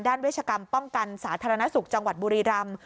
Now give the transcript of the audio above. เวชกรรมป้องกันสาธารณสุขจังหวัดบุรีรำ